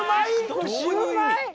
これシウマイ？